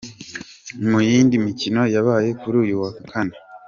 Mu yindi mikino yabaye kuri uyu wa Kane:.